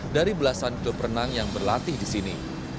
dari belasan klub renang yang berlatih di sini